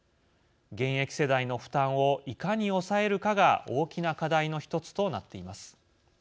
現役世代の負担をいかに抑えるかが大きな課題の１つとなっています。